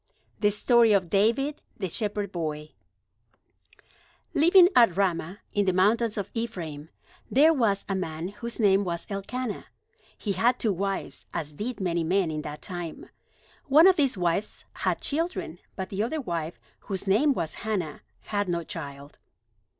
THE STORY OF DAVID, THE SHEPHERD BOY Living at Ramah, in the mountains of Ephraim, there was a man whose name was Elkanah. He had two wives, as did many men in that time. One of these wives had children, but the other wife, whose name was Hannah, had no child.